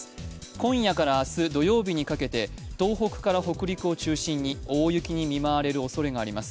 今夜から明日土曜日にかけて、東北から北陸を中心に大雪にみまわれるおそれがあります。